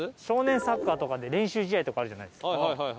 少年サッカーとかで練習試合とかあるじゃないですか。